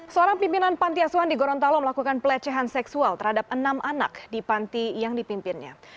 seorang pimpinan panti asuhan di gorontalo melakukan pelecehan seksual terhadap enam anak di panti yang dipimpinnya